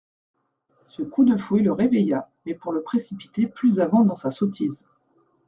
Ce coup de fouet le réveilla, mais pour le précipiter plus avant dans sa sottise.